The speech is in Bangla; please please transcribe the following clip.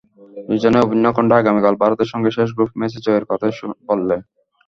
দুজনেই অভিন্ন কণ্ঠে আগামীকাল ভারতের সঙ্গে শেষ গ্রুপে ম্যাচে জয়ের কথাই বললেন।